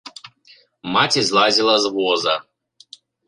Маці злазіла з воза.